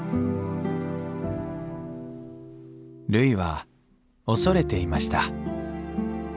るいは恐れていました。